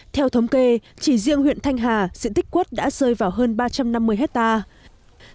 theo thống kê chỉ riêng huyện thanh hà diện tích quất đã rơi vào hơn ba trăm năm mươi hectare